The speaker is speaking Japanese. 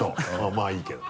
まぁいいけど。